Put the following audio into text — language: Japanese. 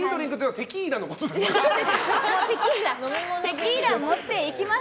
テキーラも持っていきます。